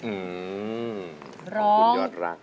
อืมของคุณยอดรักษณ์